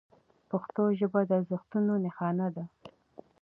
پښتو ژبه د ارزښتونو نښانه ده.